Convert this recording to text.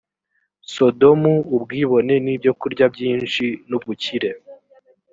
sodomu ubwibone n ibyokurya byinshi n ubukire